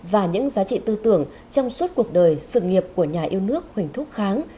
và những giá trị tư tưởng trong suốt cuộc đời sự nghiệp của nhà yêu nước huỳnh thúc kháng